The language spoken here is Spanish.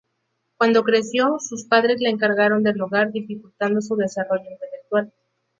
Cuando creció, sus padres le encargaron del hogar, dificultando su desarrollo intelectual.